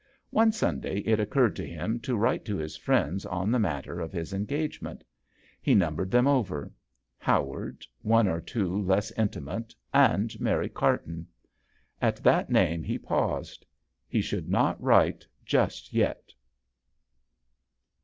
One Sunday it occurred to him to write to his friends on the matter of his engagement. He numbered them over. Ho ward, one or two less intimate, and Mary Carton. At that name he paused ; he would not write just yet.